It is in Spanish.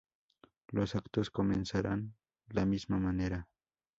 Los actos comenzarán la misma manera.